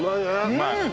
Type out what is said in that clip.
うまい。